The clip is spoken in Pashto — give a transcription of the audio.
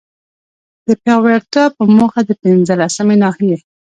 د پياوړتيا په موخه، د پنځلسمي ناحيي